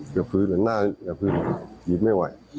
กระพื้นหรือหน้ากระพื้นยืนไม่ไหว